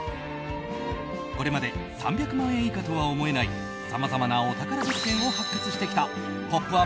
これまで３００万円以下とは思えないさまざまなお宝物件を発掘してきた「ポップＵＰ！」